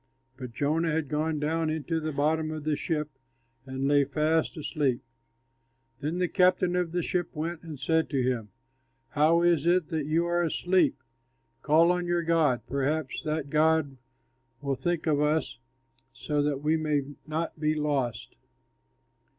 But Jonah had gone down into the bottom of the ship and lay fast asleep. Then the captain of the ship went and said to him, "How is it that you are asleep? Call on your god; perhaps that god will think of us, so that we may not be lost."